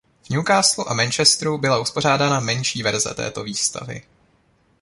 V Newcastlu a Manchesteru byla uspořádána menší verze této výstavy.